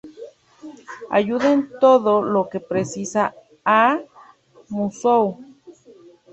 Ayuda en todo lo que precisa a Mizuho.